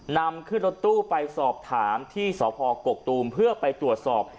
นำขึ้นรถตู้ไปสอบถามที่สพกกตูมเพื่อไปตรวจสอบ